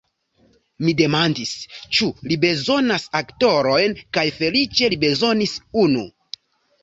Mi demandis, ĉu li bezonas aktorojn kaj feliĉe li bezonis unu.